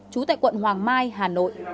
chú tại quận hoàng mai hà nội